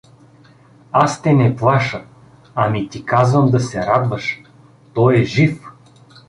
— Аз те не плаша, ами ти казвам да се радваш… Той е жив!